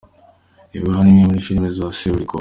Reba hano imwe muri filime za Seburikoko.